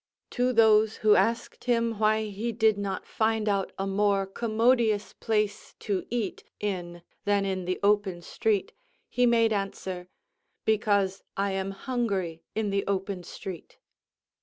To those who asked him why he did not find out a more commodious place to eat in than in the open street, he made answer, "Because I am hungry in the open street."